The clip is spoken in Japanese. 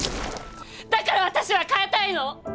だから私は変えたいの！